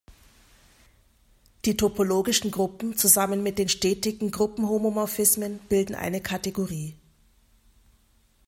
Die topologischen Gruppen zusammen mit den stetigen Gruppenhomomorphismen bilden eine Kategorie.